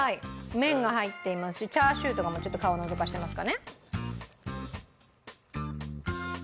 麺が入っていますしチャーシューとかもちょっと顔をのぞかせていますかね。